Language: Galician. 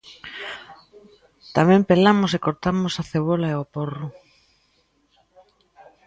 Tamén pelamos e cortamos a cebola e o porro.